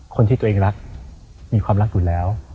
คนที่ตัวเองรักมีความรักอยู่แล้ว